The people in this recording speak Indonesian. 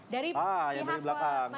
dari pihak muat musik nih